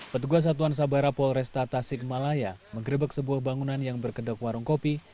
petugas satuan sabara polresta tasikmalaya menggerebek sebuah bangunan yang berkedok warung kopi